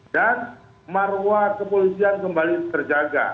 dan maruah kepolisian kembali terjaga